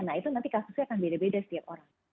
nah itu nanti kasusnya akan beda beda setiap orang